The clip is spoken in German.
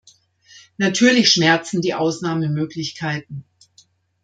Natürlich schmerzen die Ausnahmemöglichkeiten.